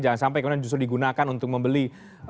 jangan sampai kemudian justru digunakan untuk membeli